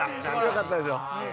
よかったでしょ。